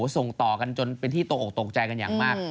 ส่งต่อกันจนเป็นที่ตกออกตกใจกันอย่างมาก